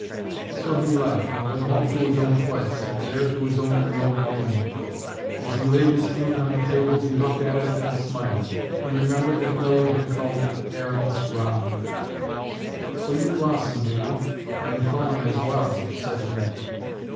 So he left, and went home to his own place, and there to his own remote room. As he laid his flute on the table he looked at it and smiled. He remembered that Lilly had called it Aaron's Rod. "So you blossom, do you? and thorn as well," said he.